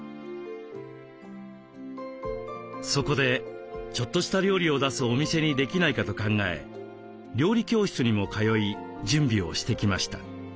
そこでちょっとした料理を出すお店にできないかと考え料理教室にも通い準備をしてきました。